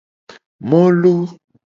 Molu.